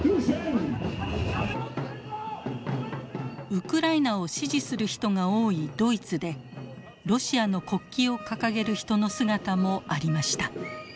ウクライナを支持する人が多いドイツでロシアの国旗を掲げる人の姿もありました。